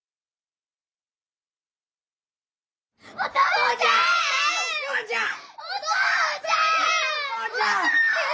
お父ちゃん！